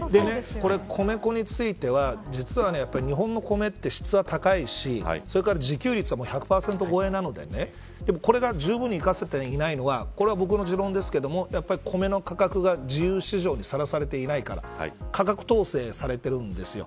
米粉については、実は日本の米って質が高いし自給率は１００％超えなのでこれがじゅうぶんに生かせていないのはこれは僕の持論ですけど米の価格が自由市場にさらされていないから価格統制されてるんですよ。